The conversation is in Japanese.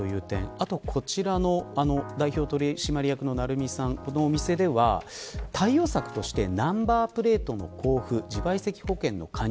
あとは、こちらの代表取締役の成三さんのお店では対応策としてナンバープレートの交付、自賠責保険の加入